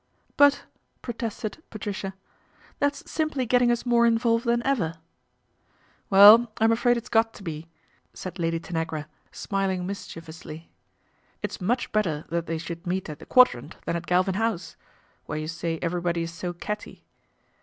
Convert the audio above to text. " But," protested Patricia, " that's simply getting us more involved than ever." " Well, I'm afraid it's got to be," said Lady Tan agra, smiling mischievously; "it's much better that they should meet at the Quadrant than at Galvin House, where you say everybody is so catty."